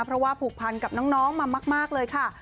เพราะว่าผูกพันกับน้องมามากเลยค่ะ